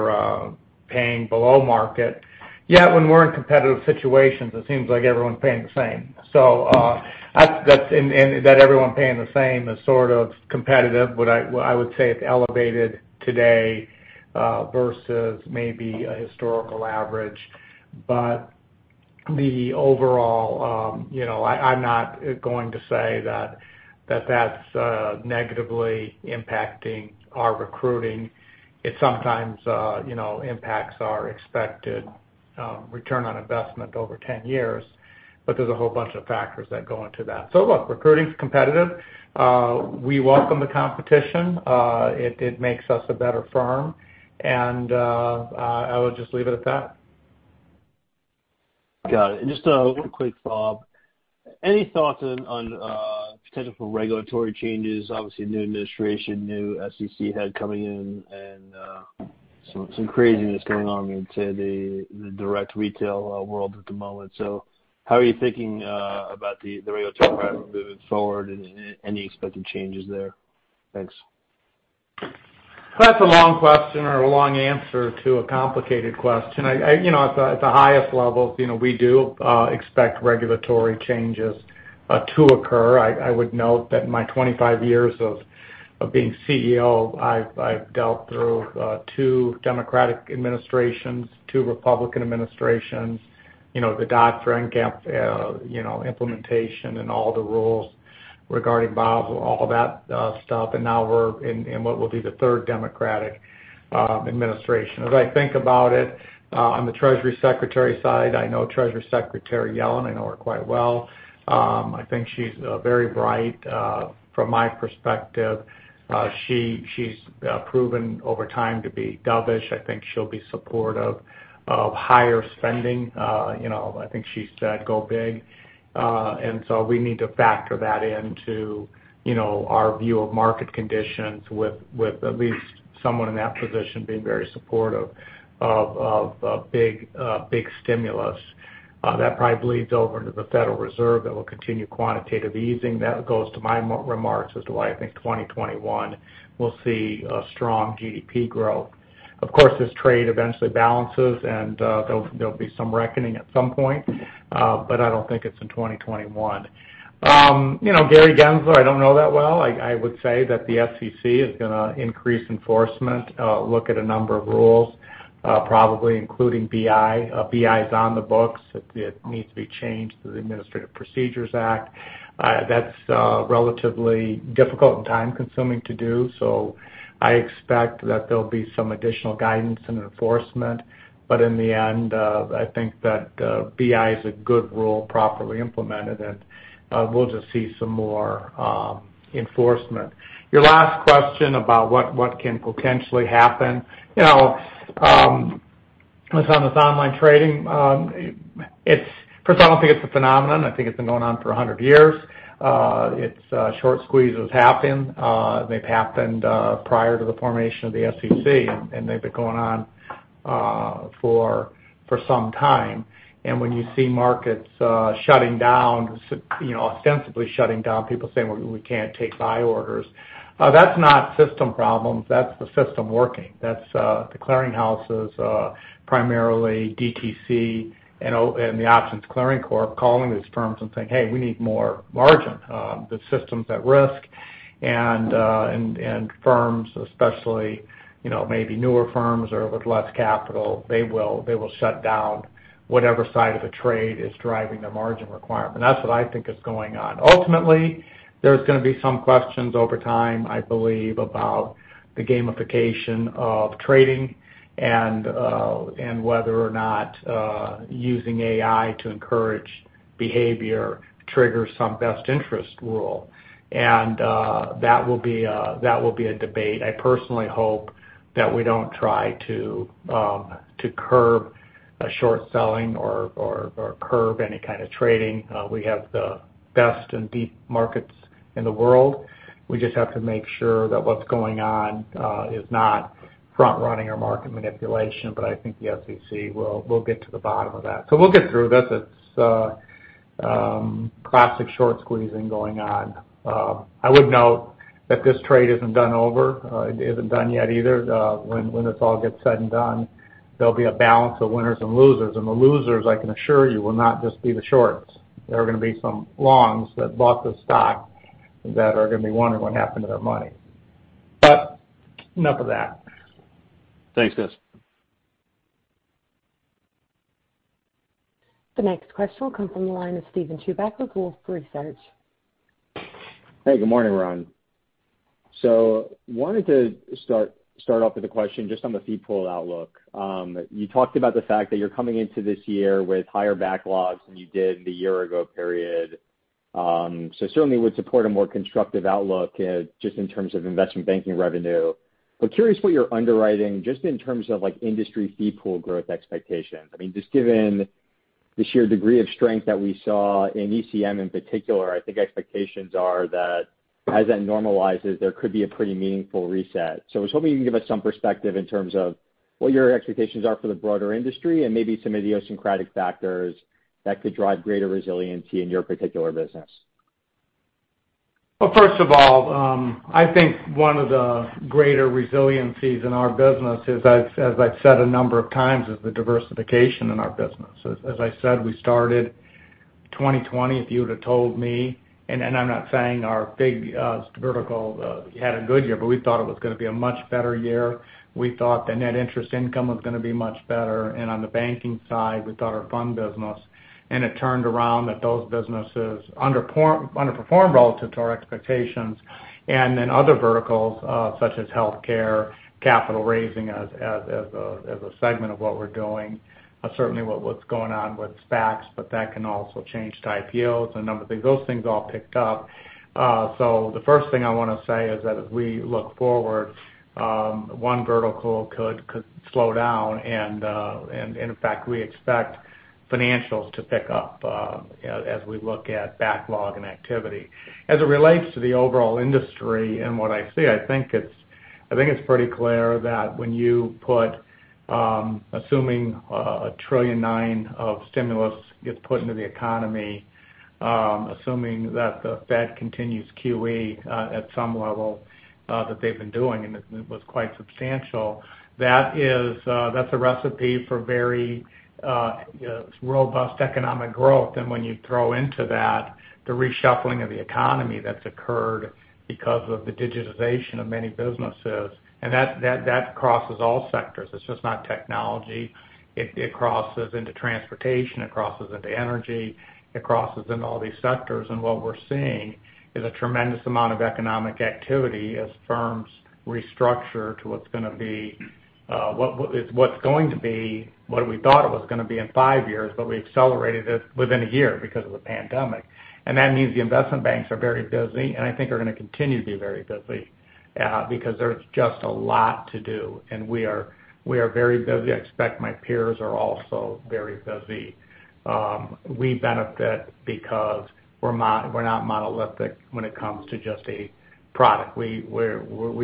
[SPEAKER 3] paying below market. Yet when we're in competitive situations, it seems like everyone's paying the same. So, that everyone's paying the same is sort of competitive, but I would say it's elevated today versus maybe a historical average. But overall, I'm not going to say that that's negatively impacting our recruiting. It sometimes impacts our expected return on investment over 10 years, but there's a whole bunch of factors that go into that. So look, recruiting's competitive. We welcome the competition. It makes us a better firm. And I would just leave it at that.
[SPEAKER 6] Got it. And just a quick thought. Any thoughts on potential for regulatory changes? Obviously, new administration, new SEC head coming in, and some craziness going on in the direct retail world at the moment. So how are you thinking about the regulatory framework moving forward and any expected changes there? Thanks.
[SPEAKER 3] That's a long question or a long answer to a complicated question. At the highest levels, we do expect regulatory changes to occur. I would note that in my 25 years of being CEO, I've dealt through two Democratic administrations, two Republican administrations, the Dodd-Frank implementation and all the rules regarding Basel, all that stuff. And now we're in what will be the third Democratic administration. As I think about it, on the Treasury Secretary side, I know Treasury Secretary Yellen. I know her quite well. I think she's very bright from my perspective. She's proven over time to be dovish. I think she'll be supportive of higher spending. I think she said, "Go big." And so we need to factor that into our view of market conditions with at least someone in that position being very supportive of big stimulus. That probably bleeds over into the Federal Reserve that will continue quantitative easing. That goes to my remarks as to why I think 2021 will see strong GDP growth. Of course, this trade eventually balances, and there'll be some reckoning at some point, but I don't think it's in 2021. Gary Gensler, I don't know that well. I would say that the SEC is going to increase enforcement, look at a number of rules, probably including BI. BI is on the books. It needs to be changed to the Administrative Procedure Act. That's relatively difficult and time-consuming to do. So I expect that there'll be some additional guidance and enforcement. But in the end, I think that BI is a good rule properly implemented, and we'll just see some more enforcement. Your last question about what can potentially happen, it's on this online trading. First of all, I don't think it's a phenomenon. I think it's been going on for 100 years. Short squeezes happen. They've happened prior to the formation of the SEC, and they've been going on for some time. And when you see markets shutting down, ostensibly shutting down, people saying, "We can't take buy orders." That's not system problems. That's the system working. That's the clearing houses, primarily DTC and the Options Clearing Corp calling these firms and saying, "Hey, we need more margin." The system's at risk. And firms, especially maybe newer firms or with less capital, they will shut down whatever side of the trade is driving the margin requirement. That's what I think is going on. Ultimately, there's going to be some questions over time, I believe, about the gamification of trading and whether or not using AI to encourage behavior triggers some best interest rule. That will be a debate. I personally hope that we don't try to curb short selling or curb any kind of trading. We have the best and deepest markets in the world. We just have to make sure that what's going on is not front-running or market manipulation. I think the SEC will get to the bottom of that. We'll get through this. It's classic short squeezing going on. I would note that this trade isn't over. It isn't done yet either. When this all gets said and done, there'll be a balance of winners and losers. The losers, I can assure you, will not just be the shorts. There are going to be some longs that bought the stock that are going to be wondering what happened to their money. Enough of that.
[SPEAKER 6] Thanks, guys.
[SPEAKER 1] The next question will come from the line of Steven Chubak with Wolfe Research.
[SPEAKER 7] Hey, good morning, Ron. So wanted to start off with a question just on the fee pool outlook. You talked about the fact that you're coming into this year with higher backlogs than you did the year ago period. So certainly would support a more constructive outlook just in terms of investment banking revenue. But curious what you're underwriting just in terms of industry fee pool growth expectations. I mean, just given the sheer degree of strength that we saw in ECM in particular, I think expectations are that as that normalizes, there could be a pretty meaningful reset. So I was hoping you can give us some perspective in terms of what your expectations are for the broader industry and maybe some of the idiosyncratic factors that could drive greater resiliency in your particular business.
[SPEAKER 3] First of all, I think one of the greater resiliencies in our business is, as I've said a number of times, is the diversification in our business. As I said, we started 2020, if you would have told me. And I'm not saying our big vertical had a good year, but we thought it was going to be a much better year. We thought the net interest income was going to be much better. And on the banking side, we thought our fund business. And it turned around that those businesses underperformed relative to our expectations. And then other verticals such as healthcare, capital raising as a segment of what we're doing, certainly what's going on with SPACs, but that can also change to IPOs and a number of things. Those things all picked up. The first thing I want to say is that as we look forward, one vertical could slow down. In fact, we expect financials to pick up as we look at backlog and activity. As it relates to the overall industry and what I see, I think it's pretty clear that when you put $1.9 trillion of stimulus into the economy, assuming that the Fed continues QE at some level that they've been doing, and it was quite substantial, that's a recipe for very robust economic growth. When you throw into that the reshuffling of the economy that's occurred because of the digitization of many businesses, that crosses all sectors. It's just not technology. It crosses into transportation. It crosses into energy. It crosses into all these sectors. What we're seeing is a tremendous amount of economic activity as firms restructure to what's going to be what we thought it was going to be in five years, but we accelerated it within a year because of the pandemic. That means the investment banks are very busy, and I think are going to continue to be very busy because there's just a lot to do. We are very busy. I expect my peers are also very busy. We benefit because we're not monolithic when it comes to just a product. We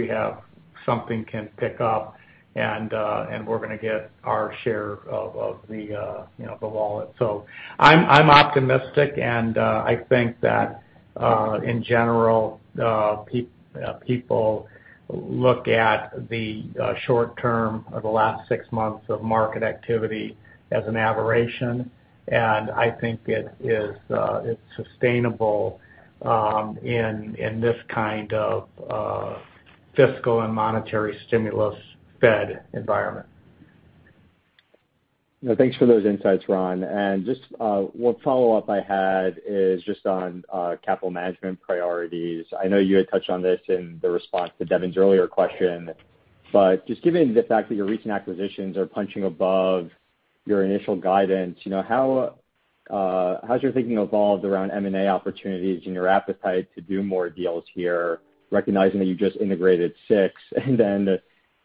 [SPEAKER 3] have something we can pick up, and we're going to get our share of the wallet. I'm optimistic, and I think that in general, people look at the short term of the last six months of market activity as an aberration. I think it's sustainable in this kind of fiscal and monetary stimulus Fed environment.
[SPEAKER 7] Thanks for those insights, Ron. And just one follow-up I had is just on capital management priorities. I know you had touched on this in the response to Devin's earlier question. But just given the fact that your recent acquisitions are punching above your initial guidance, how's your thinking evolved around M&A opportunities and your appetite to do more deals here, recognizing that you just integrated six? And then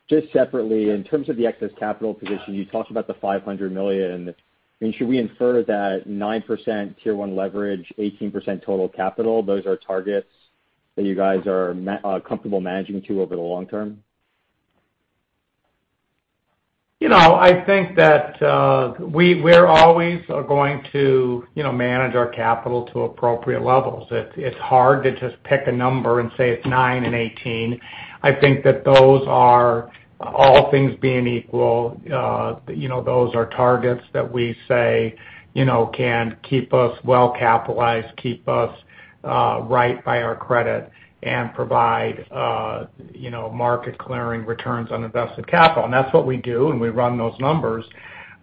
[SPEAKER 7] just separately, in terms of the excess capital position, you talked about the $500 million. I mean, should we infer that 9% Tier 1 leverage, 18% total capital, those are targets that you guys are comfortable managing to over the long term?
[SPEAKER 3] I think that we're always going to manage our capital to appropriate levels. It's hard to just pick a number and say it's 9 and 18. I think that those are all things being equal. Those are targets that we say can keep us well capitalized, keep us right by our credit, and provide market clearing returns on invested capital. And that's what we do, and we run those numbers.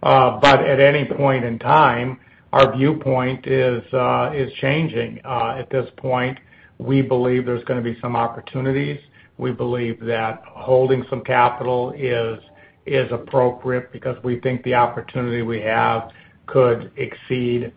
[SPEAKER 3] But at any point in time, our viewpoint is changing. At this point, we believe there's going to be some opportunities. We believe that holding some capital is appropriate because we think the opportunity we have could exceed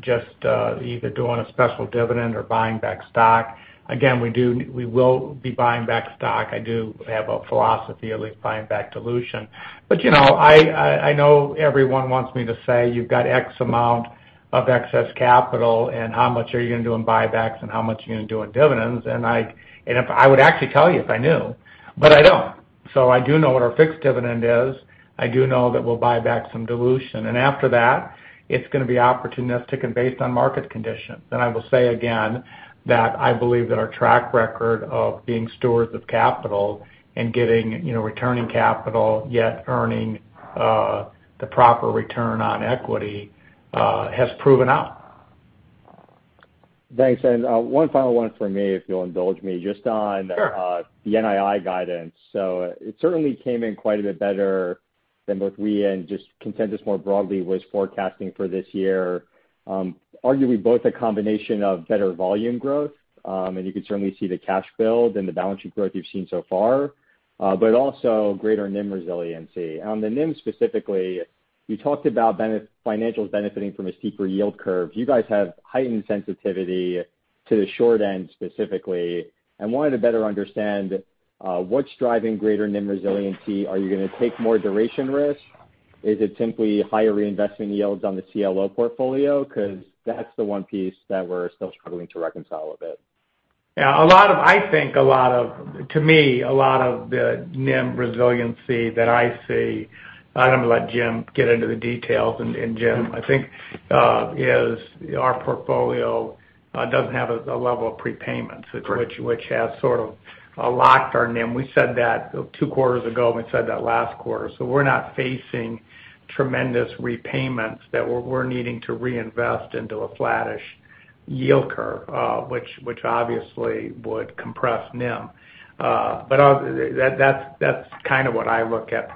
[SPEAKER 3] just either doing a special dividend or buying back stock. Again, we will be buying back stock. I do have a philosophy of at least buying back dilution. But I know everyone wants me to say, "You've got X amount of excess capital, and how much are you going to do in buybacks and how much are you going to do in dividends?" And I would actually tell you if I knew, but I don't. So I do know what our fixed dividend is. I do know that we'll buy back some dilution. And after that, it's going to be opportunistic and based on market conditions. And I will say again that I believe that our track record of being stewards of capital and getting returning capital yet earning the proper return on equity has proven out.
[SPEAKER 7] Thanks, and one final one for me, if you'll indulge me, just on the NII guidance, so it certainly came in quite a bit better than both we and just consensus more broadly was forecasting for this year. Arguably both a combination of better volume growth, and you could certainly see the cash build and the balance sheet growth you've seen so far, but also greater NIM resiliency, and on the NIM specifically, you talked about financials benefiting from a steeper yield curve. You guys have heightened sensitivity to the short end specifically and wanted to better understand what's driving greater NIM resiliency. Are you going to take more duration risk? Is it simply higher reinvestment yields on the CLO portfolio? Because that's the one piece that we're still struggling to reconcile a bit.
[SPEAKER 3] Yeah. I think a lot of, to me, a lot of the NIM resiliency that I see, I'm going to let Jim get into the details, and Jim, I think our portfolio doesn't have a level of prepayments, which has sort of locked our NIM. We said that two quarters ago, and we said that last quarter, so we're not facing tremendous repayments that we're needing to reinvest into a flattish yield curve, which obviously would compress NIM, but that's kind of what I look at.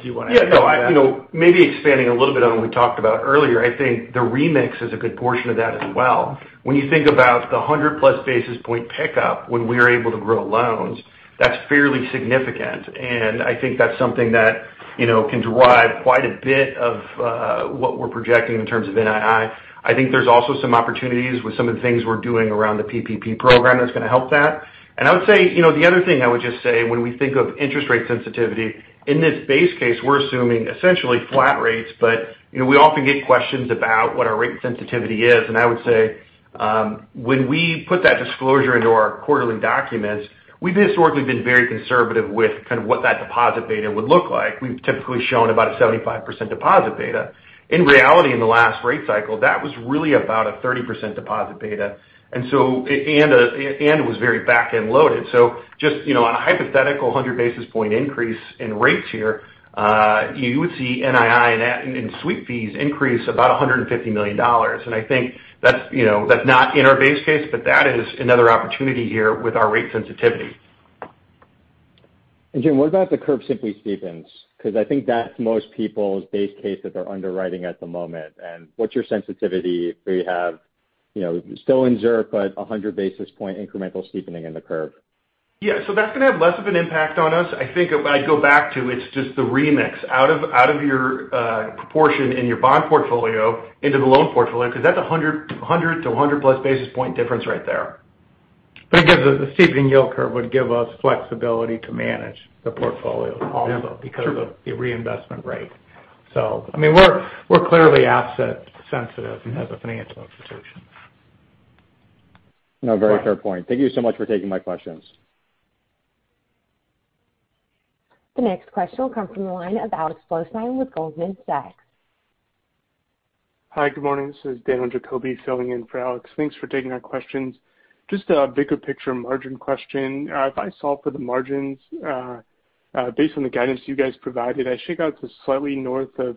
[SPEAKER 3] Do you want to add to that?
[SPEAKER 4] Yeah. Maybe expanding a little bit on what we talked about earlier, I think the remix is a good portion of that as well. When you think about the 100-plus basis point pickup when we were able to grow loans, that's fairly significant. And I think that's something that can drive quite a bit of what we're projecting in terms of NII. I think there's also some opportunities with some of the things we're doing around the PPP program that's going to help that. And I would say the other thing I would just say when we think of interest rate sensitivity, in this base case, we're assuming essentially flat rates. But we often get questions about what our rate sensitivity is. And I would say when we put that disclosure into our quarterly documents, we've historically been very conservative with kind of what that deposit beta would look like. We've typically shown about a 75% deposit beta. In reality, in the last rate cycle, that was really about a 30% deposit beta, and it was very back-end loaded, so just on a hypothetical 100 basis points increase in rates here, you would see NII and Sweep fees increase about $150 million, and I think that's not in our base case, but that is another opportunity here with our rate sensitivity.
[SPEAKER 7] Jim, what about the curve simply steepens? Because I think that's most people's base case that they're underwriting at the moment. What's your sensitivity? Do we have still in your book, but 100 basis points incremental steepening in the curve?
[SPEAKER 4] Yeah. So that's going to have less of an impact on us. I think I'd go back to it's just the remix out of your proportion in your bond portfolio into the loan portfolio because that's 100 to 100-plus basis point difference right there.
[SPEAKER 3] But again, the steepening yield curve would give us flexibility to manage the portfolio also because of the reinvestment rate. So I mean, we're clearly asset-sensitive as a financial institution.
[SPEAKER 7] No, very fair point. Thank you so much for taking my questions.
[SPEAKER 1] The next question will come from the line of Alex Blostein with Goldman Sachs.
[SPEAKER 8] Hi, good morning. This is Daniel Jacoby filling in for Alex. Thanks for taking our questions. Just a bigger picture margin question. If I solve for the margins based on the guidance you guys provided, I shake out to slightly north of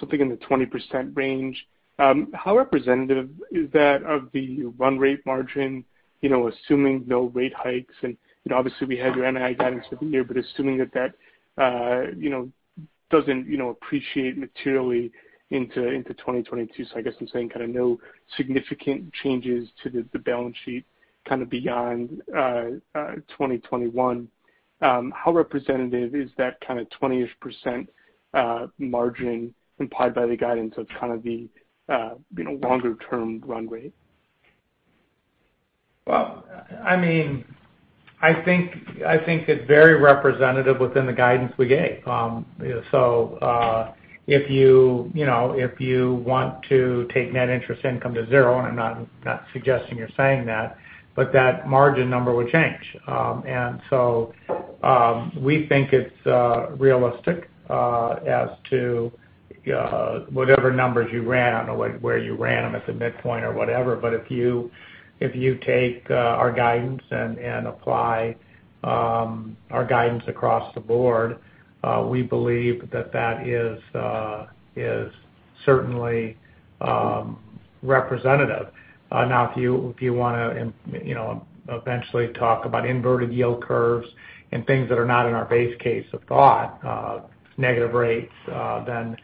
[SPEAKER 8] something in the 20% range. How representative is that of the run rate margin, assuming no rate hikes? And obviously, we had your NII guidance for the year, but assuming that that doesn't appreciate materially into 2022. So I guess I'm saying kind of no significant changes to the balance sheet kind of beyond 2021. How representative is that kind of 20-ish% margin implied by the guidance of kind of the longer-term run rate?
[SPEAKER 3] I mean, I think it's very representative within the guidance we gave. So if you want to take net interest income to zero, and I'm not suggesting you're saying that, but that margin number would change. And so we think it's realistic as to whatever numbers you ran or where you ran them at the midpoint or whatever. But if you take our guidance and apply our guidance across the board, we believe that that is certainly representative. Now, if you want to eventually talk about inverted yield curves and things that are not in our base case of thought, negative rates, then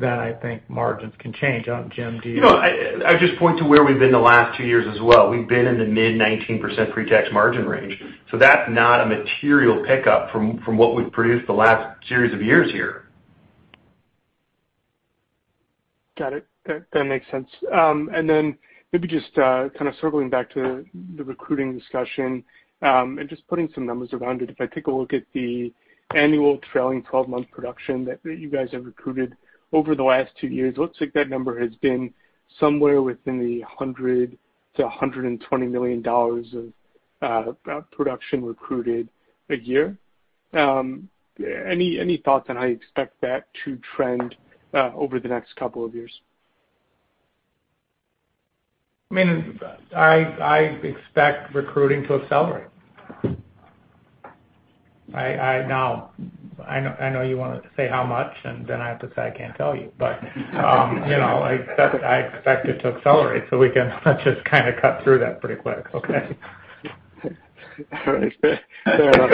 [SPEAKER 3] I think margins can change. Jim, do you?
[SPEAKER 4] I would just point to where we've been the last two years as well. We've been in the mid 19% pre-tax margin range. So that's not a material pickup from what we've produced the last series of years here.
[SPEAKER 8] Got it. That makes sense. And then maybe just kind of circling back to the recruiting discussion and just putting some numbers around it. If I take a look at the annual trailing 12-month production that you guys have recruited over the last two years, it looks like that number has been somewhere within the $100 million-$120 million of production recruited a year. Any thoughts on how you expect that to trend over the next couple of years?
[SPEAKER 3] I mean, I expect recruiting to accelerate. Now, I know you want to say how much, and then I have to say I can't tell you. But I expect it to accelerate so we can just kind of cut through that pretty quick. Okay.
[SPEAKER 8] All right. Fair enough.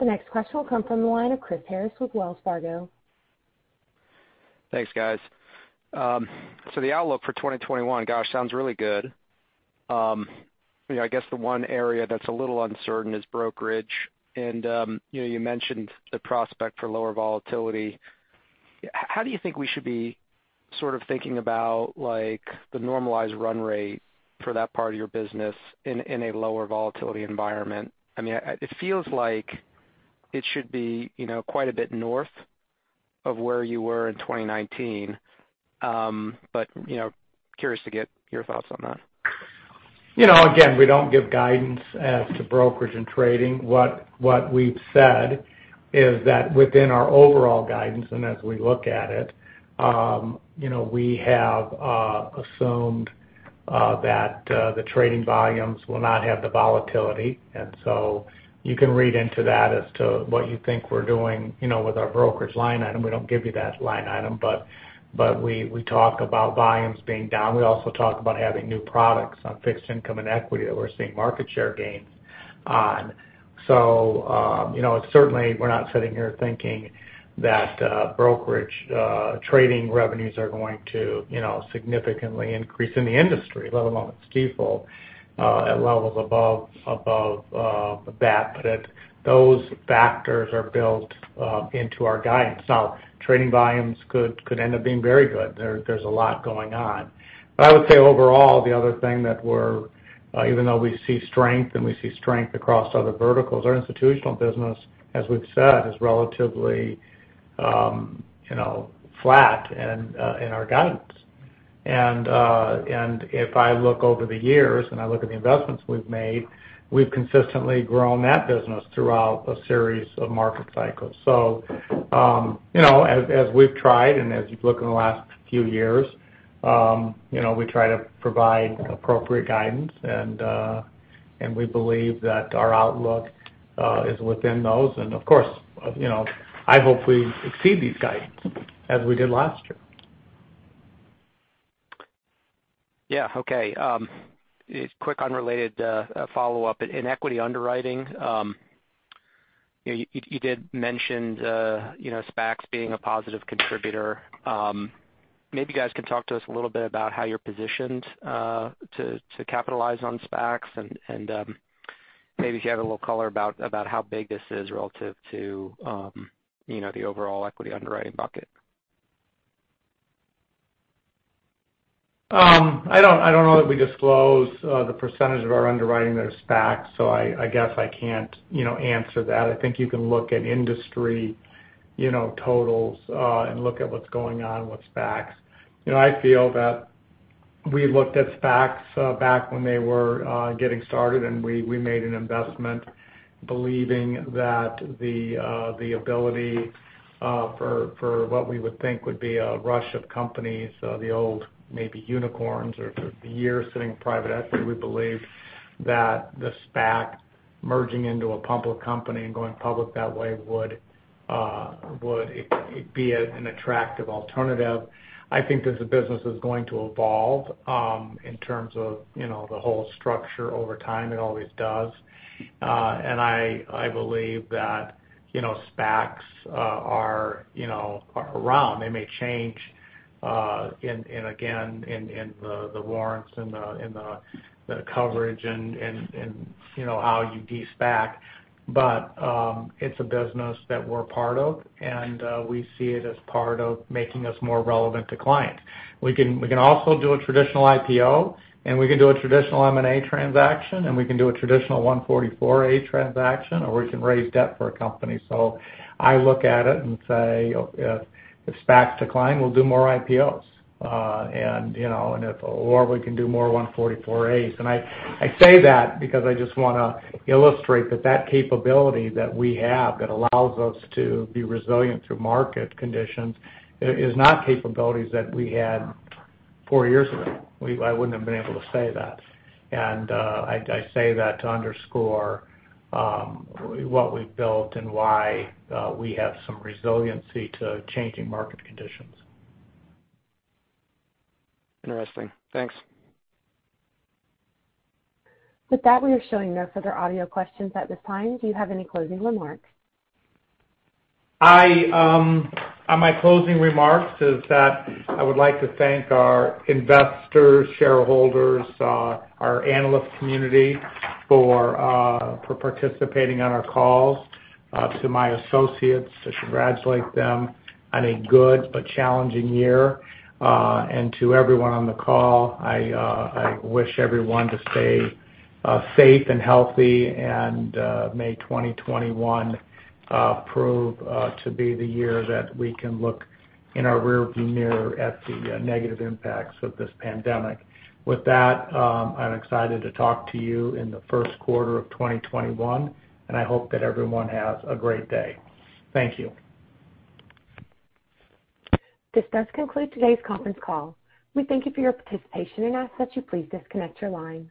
[SPEAKER 1] The next question will come from the line of Chris Harris with Wells Fargo.
[SPEAKER 9] Thanks, guys. So the outlook for 2021, gosh, sounds really good. I guess the one area that's a little uncertain is brokerage. And you mentioned the prospect for lower volatility. How do you think we should be sort of thinking about the normalized run rate for that part of your business in a lower volatility environment? I mean, it feels like it should be quite a bit north of where you were in 2019, but curious to get your thoughts on that.
[SPEAKER 3] Again, we don't give guidance to brokerage and trading. What we've said is that within our overall guidance, and as we look at it, we have assumed that the trading volumes will not have the volatility, and so you can read into that as to what you think we're doing with our brokerage line item. We don't give you that line item, but we talk about volumes being down. We also talk about having new products on fixed income and equity that we're seeing market share gains on, so certainly, we're not sitting here thinking that brokerage trading revenues are going to significantly increase in the industry, let alone for Stifel at levels above that, but those factors are built into our guidance. Now, trading volumes could end up being very good. There's a lot going on. But I would say overall, the other thing that we're, even though we see strength and we see strength across other verticals, our institutional business, as we've said, is relatively flat in our guidance. And if I look over the years and I look at the investments we've made, we've consistently grown that business throughout a series of market cycles. So as we've tried and as you've looked in the last few years, we try to provide appropriate guidance, and we believe that our outlook is within those. And of course, I hope we exceed these guidance as we did last year.
[SPEAKER 9] Yeah. Okay. Quick unrelated follow-up. In equity underwriting, you did mention SPACs being a positive contributor. Maybe you guys can talk to us a little bit about how you're positioned to capitalize on SPACs and maybe if you have a little color about how big this is relative to the overall equity underwriting bucket.
[SPEAKER 3] I don't know that we disclose the percentage of our underwriting that are SPACs, so I guess I can't answer that. I think you can look at industry totals and look at what's going on with SPACs. I feel that we looked at SPACs back when they were getting started, and we made an investment believing that the ability for what we would think would be a rush of companies, the old maybe unicorns or the years sitting in private equity, we believed that the SPAC merging into a public company and going public that way would be an attractive alternative. I think as the business is going to evolve in terms of the whole structure over time, it always does, and I believe that SPACs are around. They may change again in the warrants and the coverage and how you de-SPAC. But it's a business that we're part of, and we see it as part of making us more relevant to clients. We can also do a traditional IPO, and we can do a traditional M&A transaction, and we can do a traditional 144A transaction, or we can raise debt for a company. So I look at it and say, if SPACs decline, we'll do more IPOs. And if we can do more 144As. And I say that because I just want to illustrate that that capability that we have that allows us to be resilient through market conditions is not capabilities that we had four years ago. I wouldn't have been able to say that. And I say that to underscore what we've built and why we have some resiliency to changing market conditions.
[SPEAKER 9] Interesting. Thanks.
[SPEAKER 1] With that, we are showing no further audio questions at this time. Do you have any closing remarks?
[SPEAKER 3] My closing remarks is that I would like to thank our investors, shareholders, our analyst community for participating on our calls, to my associates, to congratulate them on a good but challenging year, and to everyone on the call, I wish everyone to stay safe and healthy and may 2021 prove to be the year that we can look in our rearview mirror at the negative impacts of this pandemic. With that, I'm excited to talk to you in the first quarter of 2021, and I hope that everyone has a great day. Thank you.
[SPEAKER 1] This does conclude today's conference call. We thank you for your participation and ask that you please disconnect your line.